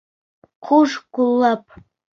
Ҡуш ҡуллап!